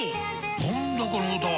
何だこの歌は！